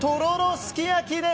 すき焼きです。